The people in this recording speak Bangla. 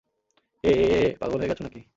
এএএএ,, পাগল হয়ে গেছ নাকি?